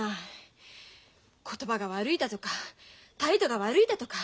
言葉が悪いだとか態度が悪いだとか